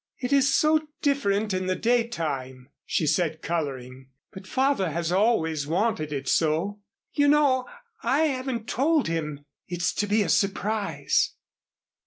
"It is so different in the daytime," she said, coloring; "but father has always wanted it so. You know I haven't told him. It's to be a surprise."